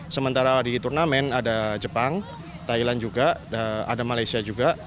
sementara di turnamen ada jepang thailand juga ada malaysia juga